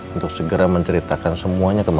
untuk segera menceritakan semuanya ke mama